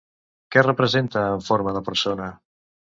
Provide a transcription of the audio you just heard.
Què representa, en forma de persona?